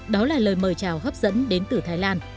đó là lời mời chào hấp dẫn đến từ thái lan